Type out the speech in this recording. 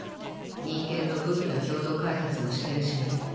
忍研と武器の共同開発もしてるしね